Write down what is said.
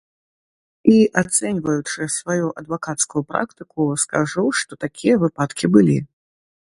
І, ацэньваючы сваю адвакацкую практыку, скажу, што такія выпадкі былі.